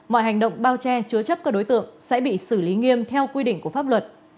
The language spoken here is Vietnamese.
mọi hành động bao che chứa chấp các đối tượng sẽ bị xử lý nghiêm theo quy định của pháp luật